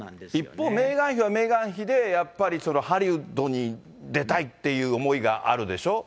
一方、メーガン妃はメーガン妃で、やっぱりハリウッドに出たいっていう思いがあるでしょ？